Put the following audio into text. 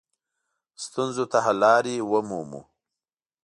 ستونزو ته حل لارې ومومو.